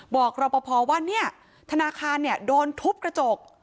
บอกรอปภว่าเนี่ยธนาคารเนี่ยโดนทุบกระจก